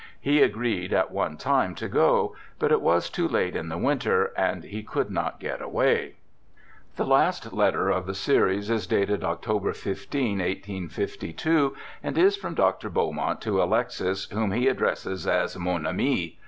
He agreed at one time to go, but it was too late in the winter and he could not get away. The last letter of the series is dated Oct. 15, 1852, and is from Dr. Beaumont to Alexis, whom he addresses as Mon Ami.